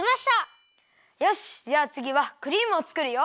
よしじゃあつぎはクリームをつくるよ。